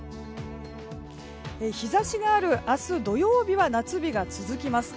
日差しがある明日土曜日は夏日が続きます。